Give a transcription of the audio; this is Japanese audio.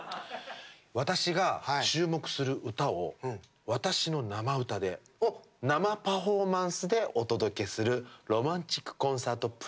私が注目する歌を私の生歌で生パフォーマンスでお届けする「ロマンチックコンサートＰＲＥＭＩＵＭ」。